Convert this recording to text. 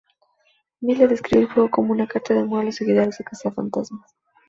Miller describió el juego como una "carta de amor a los seguidores de "Cazafantasmas"".